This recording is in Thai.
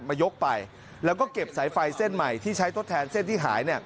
ยกไปแล้วก็เก็บสายไฟเส้นใหม่ที่ใช้ทดแทนเส้นที่หาย